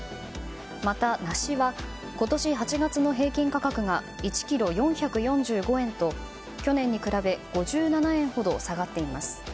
またナシは今年８月の平均価格が１ｋｇ４４５円と去年に比べ５７円ほど下がっています。